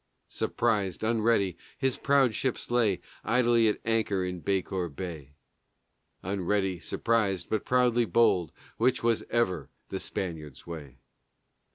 Surprised, unready, his proud ships lay Idly at anchor in Bakor Bay: Unready, surprised, but proudly bold, Which was ever the Spaniard's way.